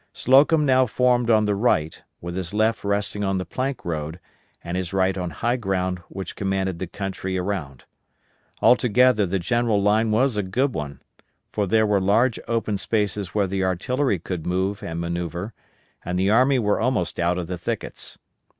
Slocum now formed on the right, with his left resting on the plank road, and his right on high ground which commanded the country around. Altogether the general line was a good one; for there were large open spaces where the artillery could move and manoeuvre, and the army were almost out of the thickets.